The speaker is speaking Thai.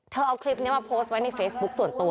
เอาคลิปนี้มาโพสต์ไว้ในเฟซบุ๊คส่วนตัว